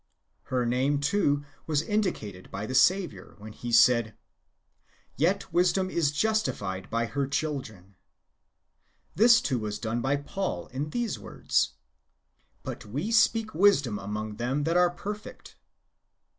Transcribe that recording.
Her name, too, was indicated by the Saviour, when He said, " Yet wisdom is justified by her children."^ This, too, was done by Paul in these words, " But we speak wisdom among them that are perfect."